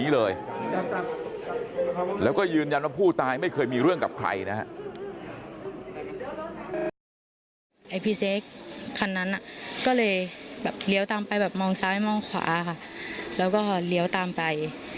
แล้วก็เหลียวตามไป